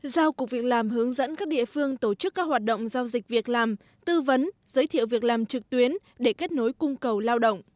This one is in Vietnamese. giao cục việc làm hướng dẫn các địa phương tổ chức các hoạt động giao dịch việc làm tư vấn giới thiệu việc làm trực tuyến để kết nối cung cầu lao động